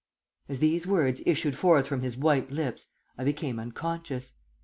"As these words issued forth from his white lips, I became unconscious.